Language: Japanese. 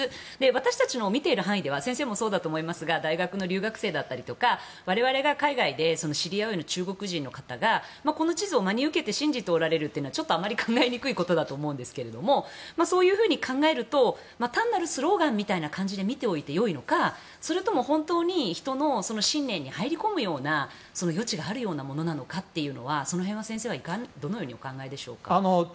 私たちの見ている範囲では先生もそうだと思いますが大学の留学生だったり我々が海外で知り合うような中国人の方がこの地図を真に受けて信じておられるというのはちょっと考えにくいことだと思うんですがそういうふうに考えると単なるスローガンみたいな感じで見ておいてよいのかそれとも本当に人の信念に入り込むような余地があるようなものなのかはその辺は先生はどのようにお考えでしょうか？